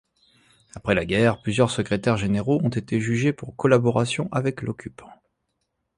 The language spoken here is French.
Après la guerre, plusieurs secrétaires-généraux ont été jugés pour collaboration avec l'occupant.